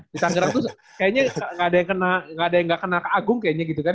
di tanggerang tuh kayaknya ga ada yang ga kena keagung kayaknya gitu kan